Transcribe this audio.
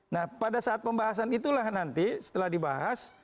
nah pada saat pembahasan itulah nanti setelah dibahas